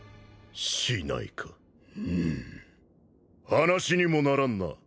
話にもならんな。